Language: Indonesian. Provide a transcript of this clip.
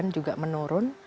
pengangguran juga menurun